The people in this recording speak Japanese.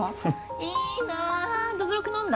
いいなあどぶろく飲んだ？